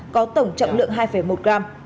có tổng trọng lượng hai một gram